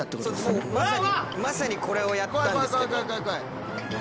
もうまさにまさにこれをやったんですけど。